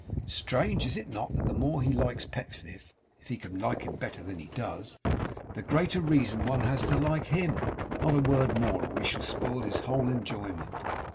Strange, is it not, that the more he likes Pecksniff (if he can like him better than he does), the greater reason one has to like HIM? Not a word more, or we shall spoil his whole enjoyment.